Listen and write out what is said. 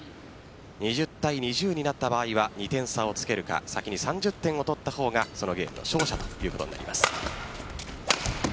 ２０対２０になった場合は２点差をつけるか３０点を取った方がそのゲームの勝者ということになります。